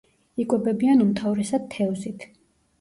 იკვებებიან უმთავრესად თევზით.